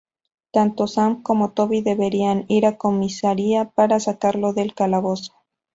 Tanto Sam como Toby deberán ir a comisaria para sacarlo del calabozo.